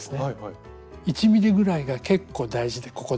１ｍｍぐらいが結構大事でここでは。